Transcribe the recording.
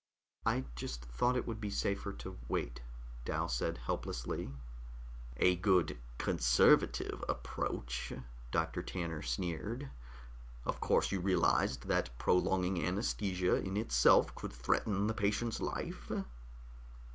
"I just thought it would be safer to wait," Dal said helplessly. "A good conservative approach," Dr. Tanner sneered. "Of course, you realized that prolonged anaesthesia in itself could threaten that patient's life?"